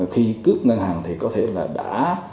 khi cướp ngân hàng thì có thể là đã